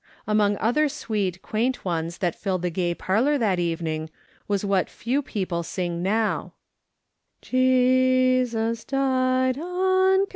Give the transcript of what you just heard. Among other sweet, quaint ones that filled the gay parlour that evening waa what few people sing now : '7 DO DISLIKE SCENES."